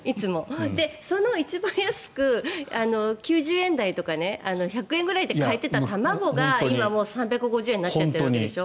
その一番安く９０円台とか１００円くらいで買えていた卵が今、３５０円になっちゃっているわけでしょ。